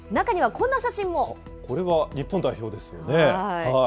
これは、日本代表ですよね。